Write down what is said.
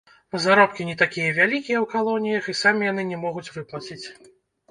Заробкі не такія вялікія ў калоніях, і самі яны не могуць выплаціць.